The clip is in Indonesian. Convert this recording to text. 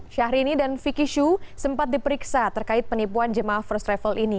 syahrini dan vicky shu sempat diperiksa terkait penipuan jemaah first travel ini